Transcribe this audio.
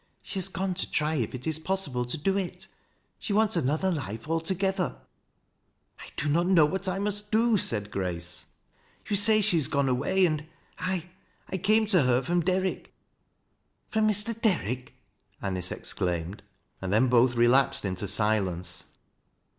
She has gone to tr\ if it is possible to do it. She wants another life alto gether." " I do not know what I must do," said Grace. "Yoi; say she has gone away, and I — I came to her fi om Der rick." " From Mr. Derrick I " Anice exclaimed ; and then both relapsed into silence.